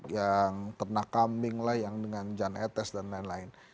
yang ternak kambing lah yang dengan jan etes dan lain lain